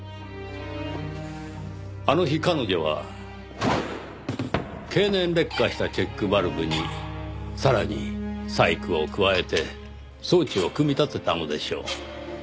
あの日彼女は経年劣化したチェックバルブにさらに細工を加えて装置を組み立てたのでしょう。